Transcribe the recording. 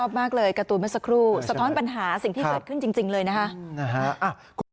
มากเลยการ์ตูนเมื่อสักครู่สะท้อนปัญหาสิ่งที่เกิดขึ้นจริงเลยนะคะ